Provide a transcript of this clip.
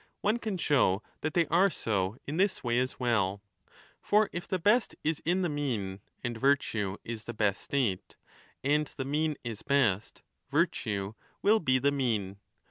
One can show that they are so in this way as well. For if the best is in the mean, and virtue is the best state [and the mean is best], virtue will be the mean.